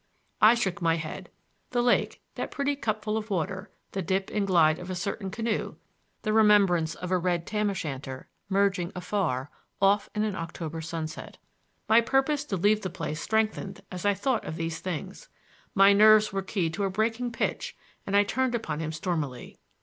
I shook my head. The lake, that pretty cupful of water, the dip and glide of a certain canoe, the remembrance of a red tam o' shanter merging afar off in an October sunset—my purpose to leave the place strengthened as I thought of these things. My nerves were keyed to a breaking pitch and I turned upon him stormily.